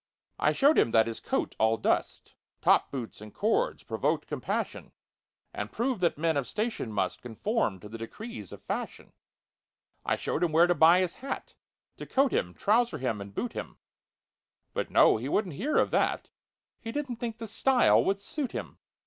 I showed him that his coat, all dust, Top boots and cords provoked compassion, And proved that men of station must Conform to the decrees of fashion. I showed him where to buy his hat To coat him, trouser him, and boot him; But no—he wouldn't hear of that— "He didn't think the style would suit him!"